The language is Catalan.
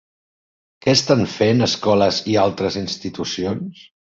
Què estan fent escoles i altres institucions?